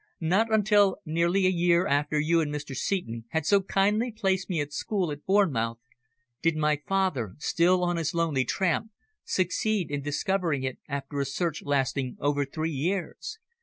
Not until nearly a year after you and Mr. Seton had so kindly placed me at school at Bournemouth did my father, still on his lonely tramp, succeed in discovering it after a search lasting over three years.